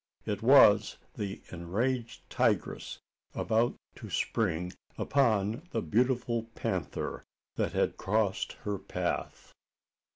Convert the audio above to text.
It was the enraged tigress about to spring upon the beautiful panther that has crossed her path.